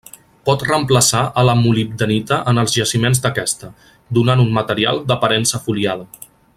Pot reemplaçar a la molibdenita en els jaciments d'aquesta, donant un material d'aparença foliada.